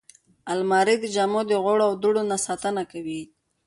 الماري د جامو د غوړو او دوړو نه ساتنه کوي